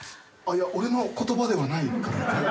いや俺の言葉ではないから。